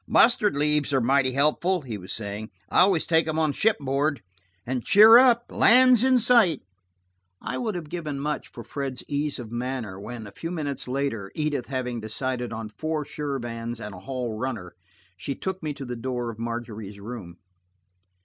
"Mustard leaves are mighty helpful," he was saying. "I always take 'em on shipboard. And cheer up: land's in sight." I would have given much for Fred's ease of manner when, a few minutes later, Edith having decided on four Shirvans and a hall runner, she took me to the door of Margery's room.